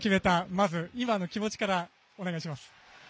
まず今の気持ちからお願いします。